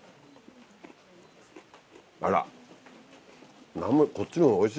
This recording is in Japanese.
あら。